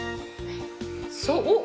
そう。